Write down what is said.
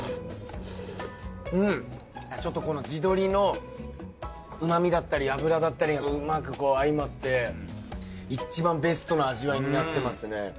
ちょっとこの地鶏のうま味だったり脂だったりがうまくこう相まっていちばんベストな味わいになってますね。